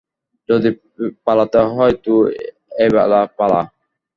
যদি পালাতে হয় তো এইবেলা পালা।